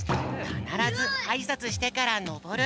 かならずあいさつしてからのぼる。